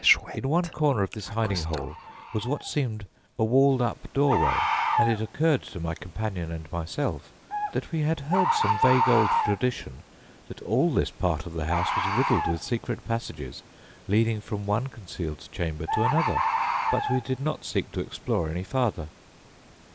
In one corner of this hiding hole was what seemed a walled up doorway, and it occurred to my companion and myself that we had heard some vague old tradition that all this part of the house was riddled with secret passages leading from one concealed chamber to another, but we did not seek to explore any farther."